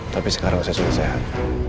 tapi sekarang saya sudah sehat